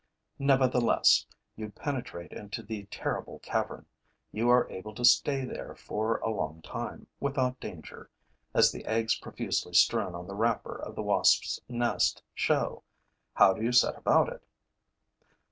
Nevertheless, you penetrate into the terrible cavern; you are able to stay there for a long time, without danger, as the eggs profusely strewn on the wrapper of the wasps' nest show. How do you set about it?